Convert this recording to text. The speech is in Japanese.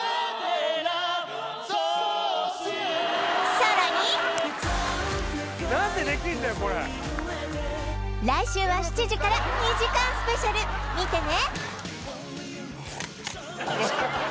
さらに来週は７時から２時間スペシャル見てね！